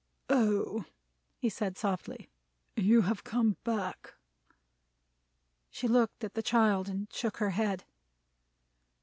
"Oh!" he said softly. "You have come back?" She looked at the child and shook her head.